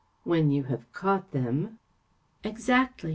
‚ÄĘ' When you have caught them." " Exactly.